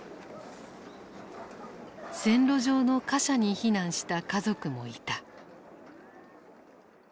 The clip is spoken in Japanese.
線路上の貨車に避難した家族もいた。